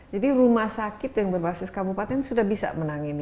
jadi rumah sakit yang berbasis kabupaten sudah bisa menang ini